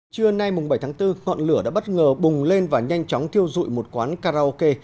trưa nay bảy tháng bốn ngọn lửa đã bất ngờ bùng lên và nhanh chóng thiêu dụi một quán karaoke